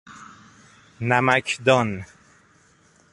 نمکدان